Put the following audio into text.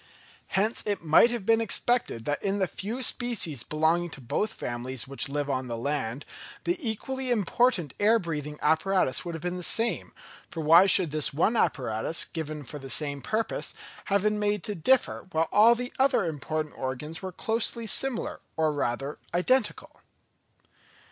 Hence it might have been expected that in the few species belonging to both families which live on the land, the equally important air breathing apparatus would have been the same; for why should this one apparatus, given for the same purpose, have been made to differ, whilst all the other important organs were closely similar, or rather, identical.